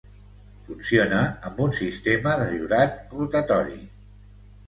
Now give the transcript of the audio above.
Funciona amb un sistema de jurat rotatori.